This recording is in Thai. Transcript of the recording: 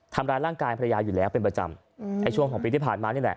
ทำร้ายร่างกายภรรยาอยู่แล้วเป็นประจำในช่วงของปีที่ผ่านมานี่แหละ